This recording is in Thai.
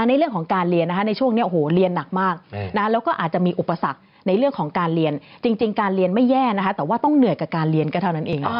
ในเรื่องของการเรียนนะคะในช่วงนี้โอ้โหเรียนหนักมากแล้วก็อาจจะมีอุปสรรคในเรื่องของการเรียนจริงการเรียนไม่แย่นะคะแต่ว่าต้องเหนื่อยกับการเรียนก็เท่านั้นเอง